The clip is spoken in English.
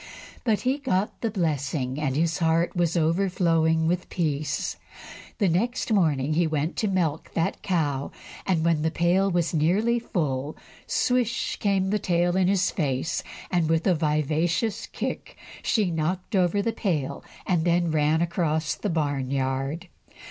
But he got the blessing, and his heart was overflowing with peace. The next morning he went to milk that cow, and when the pail was nearly full, swish! came the tail in his face, and with a vicious kick she knocked over the pail, and then ran across the barn yard.